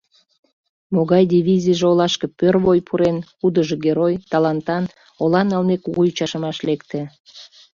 Могай дивизийже олашке пӧрвой пурен, кудыжо герой, талантан, — ола налмек, кугу ӱчашымаш лекте.